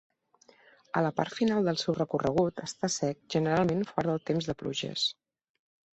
A la part final del seu recorregut està sec generalment fora del temps de pluges.